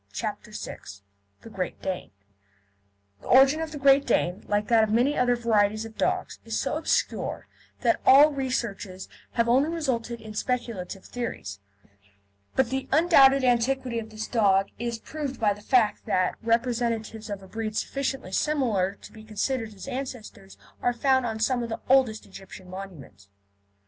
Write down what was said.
CHAPTER VI THE GREAT DANE The origin of the Great Dane, like that of many other varieties of dogs, is so obscure that all researches have only resulted in speculative theories, but the undoubted antiquity of this dog is proved by the fact that representatives of a breed sufficiently similar to be considered his ancestors are found on some of the oldest Egyptian monuments.